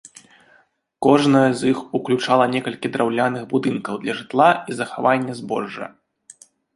Кожная з іх уключала некалькі драўляных будынкаў для жытла і захавання збожжа.